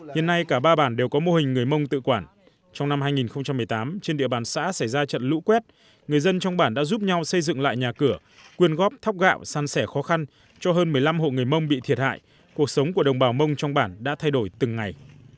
hiện nay cả ba bản đều có mô hình người mông tự quản trong năm hai nghìn một mươi tám trên địa bàn xã xảy ra trận lũ quét người dân trong bản đã giúp nhau xây dựng lại nhà cửa quyền góp thóc gạo săn sẻ khó khăn cho hơn một mươi năm hộ người mông bị thiệt hại cuộc sống của đồng bào mông trong bản đã thay đổi từng ngày